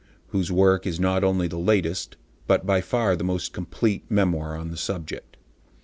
whose work is not only the latest, but by far the most complete, memoir on the subject.